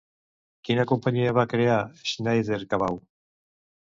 Quina companyia va crear Sneijder-Cabau?